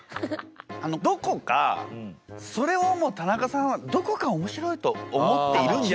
どこかそれをも田中さんはどこか面白いと思っているんじゃないですか？